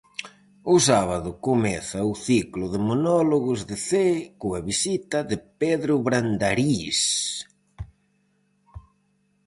O sábado comeza o ciclo de monólogos de Cee coa visita de Pedro Brandariz.